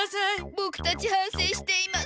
ボクたちはんせいしています。